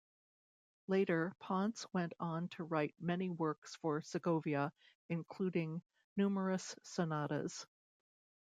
Later Ponce went on to write many works for Segovia, including numerous sonatas.